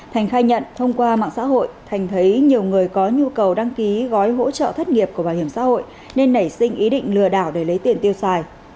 thành khai nhận thông qua mạng xã hội thành thấy nhiều người có nhu cầu đăng ký gói hỗ trợ thất nghiệp của bảo hiểm xã hội nên nảy sinh ý định lừa đảo để lấy tiền tiêu xài